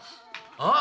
ああ？